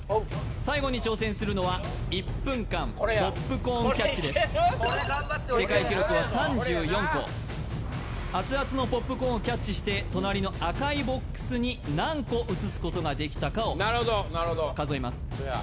最後に挑戦するのは１分間ポップコーンキャッチです世界記録は３４個熱々のポップコーンをキャッチして隣の赤いボックスに何個移すことができたかを数えます